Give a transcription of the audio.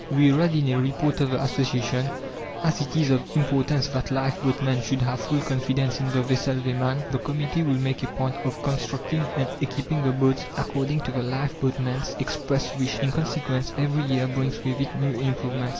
We read in a Report of the Association: "As it is of importance that life boatmen should have full confidence in the vessel they man, the Committee will make a point of constructing and equipping the boats according to the life boatmen's expressed wish." In consequence every year brings with it new improvements.